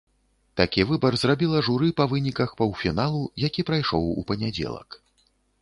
Такі выбар зрабіла журы па выніках паўфіналу, які прайшоў у панядзелак.